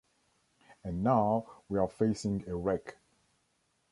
And now we are facing a wreck.